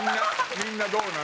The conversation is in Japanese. みんなどうなの？